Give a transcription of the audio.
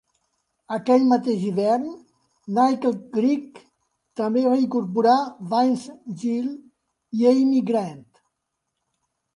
Aquell mateix hivern, Nickel Creek també va incorporar Vince Gill i Amy Grant.